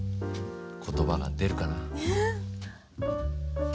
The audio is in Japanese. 言葉が出るかな？